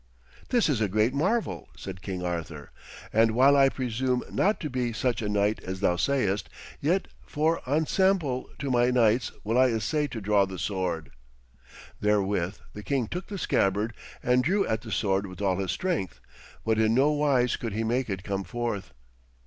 'This is a great marvel,' said King Arthur, 'and while I presume not to be such a knight as thou sayest, yet for ensample to my knights will I essay to draw the sword.' Therewith the king took the scabbard and drew at the sword with all his strength, but in no wise could he make it come forth.